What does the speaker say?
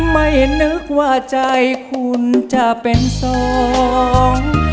ไม่นึกว่าใจคุณจะเป็นสอง